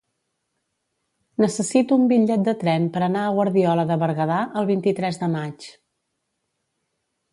Necessito un bitllet de tren per anar a Guardiola de Berguedà el vint-i-tres de maig.